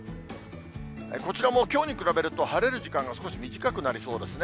こちらもきょうに比べると晴れる時間が少し短くなりそうですね。